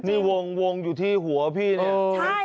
นี่วงอยู่ที่หัวพี่เนี่ย